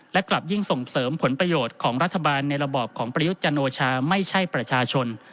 และกลับยิ่งส่งเสริมผลประโยชน์ของรัฐบาลในระบอบของประยุทธ์จันโอชาไม่ใช่ประชาชน